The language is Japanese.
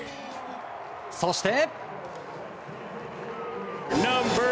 そして。